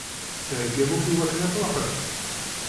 Theggam akk i wakken ad tṛuḥem?